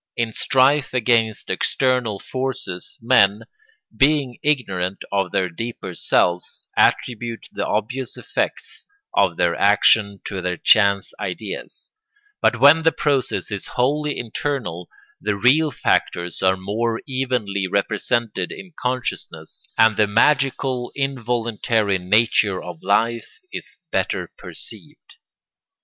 In strife against external forces men, being ignorant of their deeper selves, attribute the obvious effects of their action to their chance ideas; but when the process is wholly internal the real factors are more evenly represented in consciousness and the magical, involuntary nature of life is better perceived.